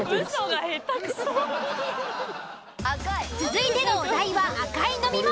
続いてのお題は「赤い飲み物」。